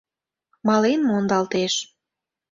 Мален мондалтеш.